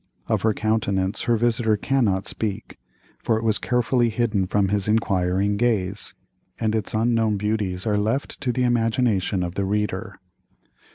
Of her countenance her visitor cannot speak, for it was carefully hidden from his inquiring gaze, and its unknown beauties are left to the imagination of the reader.